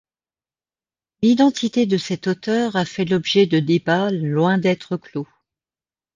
L'identité de cet auteur a fait l'objet de débats loin d'être clos.